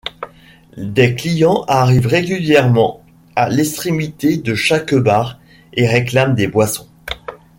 Des clients arrivent régulièrement à l'extrémité de chaque bar et réclament des boissons.